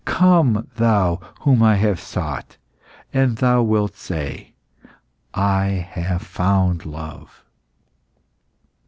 Come, thou whom I have sought, and thou wilt say, 'I have found love!